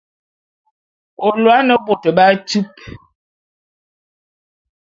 Ô lôô ane bôt b'atupe.